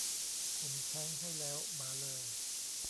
ผมแทงค์ให้แล้ว มาเลย